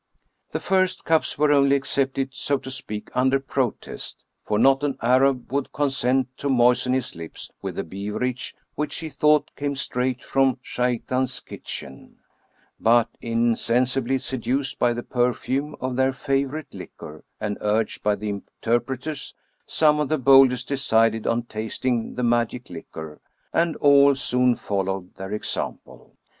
The first cups were only accepted, so to speak, under protest ; for not an Arab would consent to moisten his lips with a beverage which he thought came straight from Shai tan's kitchen; but, insensibly seduced by the perfume of their favorite liquor, and urged by the interpreters, some of the boldest decided on tasting the magic liquor, and all soon followed their example.